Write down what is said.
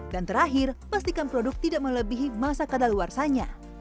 dan terakhir pastikan produk tidak melebihi masa keadaan luarsanya